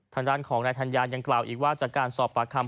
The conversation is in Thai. ทางด้านของนายธัญญายังกล่าวอีกว่าจากการสอบปากคำ